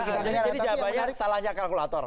jadi jawabannya salahnya kalkulator